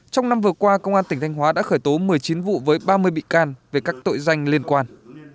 trong năm vừa qua công an tỉnh thanh hóa đã khởi tố một mươi chín vụ với ba mươi bị can về các tội danh liên quan